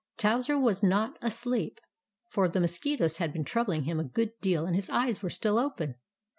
Towser was not asleep, for the mosquitoes had been troubling him a good deal, and his eyes were still open.